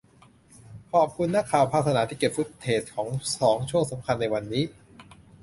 ขอบคุณนักข่าวภาคสนามที่เก็บฟุตเทจของสองช่วงสำคัญในวันนี้